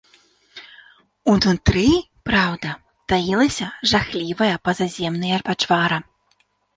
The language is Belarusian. Унутры, праўда, таілася жахлівае пазаземныя пачвара.